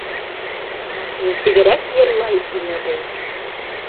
Нисегерәк йырлай ине ул!